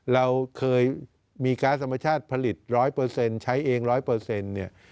เราเคยมีการสมชาติผลิตร้อยเปอร์เซ็นต์ใช้เองร้อยเปอร์เซ็นต์เนี่ย